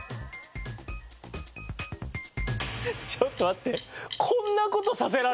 ちょっと待って。